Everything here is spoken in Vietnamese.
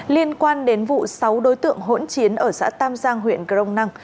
liên quan đến vụ sáu đối tượng hỗn chiến ở xã tam giang huyện cờ rông năng